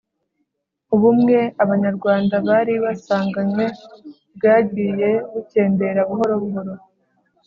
ubumwe abanyarwanda bari basanganywe bwagiye bukendera buhoro buhoro.